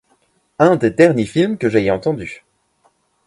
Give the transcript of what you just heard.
Un des derniers films que j’aie entendus.